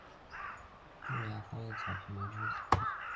日羊胡子草为莎草科羊胡子草属下的一个种。